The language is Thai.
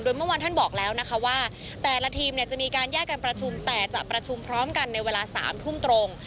เมื่อวานท่านบอกแล้วนะคะว่าแต่ละทีมเนี่ยจะมีการแยกการประชุมแต่จะประชุมพร้อมกันในเวลา๓ทุ่มตรง